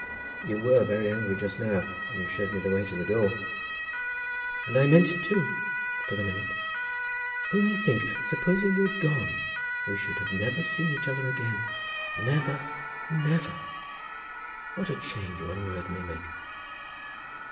"You were very angry just now, when you showed me the way to the door." "And I meant it too, for the minute. Only think, supposing you had gone! We should never have seen each other again; never, never! What a change one word may make!"